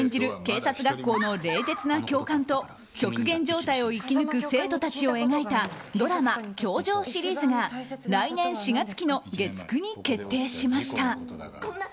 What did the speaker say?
警察学校の冷徹な教官と極限状態を生き抜く生徒たちを描いたドラマ「教場」シリーズが来年４月期の月９に決定しました。